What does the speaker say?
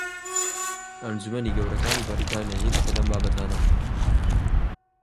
ئەنجومەنی گەورەکانی بەریتانیا یەکێکە لەم بابەتانە